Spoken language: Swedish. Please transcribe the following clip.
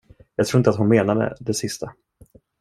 Jag tror inte att hon menade det sista.